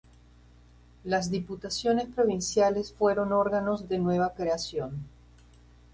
Las diputaciones provinciales fuero órganos de nueva creación.